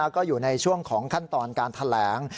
ก็อยู่ในช่วงของขั้นตอนการแถลง